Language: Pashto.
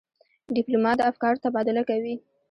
ډيپلومات د افکارو تبادله کوي.